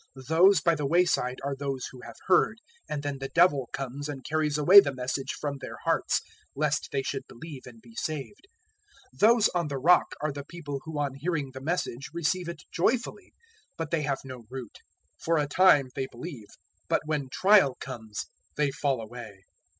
008:012 Those by the way side are those who have heard, and then the Devil comes and carries away the Message from their hearts, lest they should believe and be saved. 008:013 Those on the rock are the people who on hearing the Message receive it joyfully; but they have no root: for a time they believe, but when trial comes they fall away.